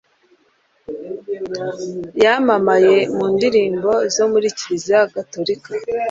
yamamaye mu ndirimbo zo muri kiliziya gatolika